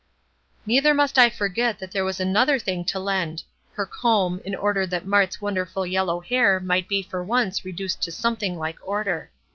Neither must I forget that there was another thing to lend her comb, in order that Mart's wonderful yellow hair might be for once reduced to something like order.